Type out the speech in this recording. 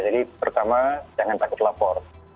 jadi pertama jangan takut lapor